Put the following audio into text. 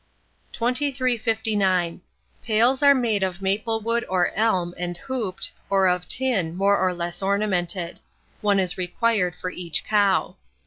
2359. Pails are made of maple wood or elm, and hooped, or of tin, more or less ornamented. One is required for each cow.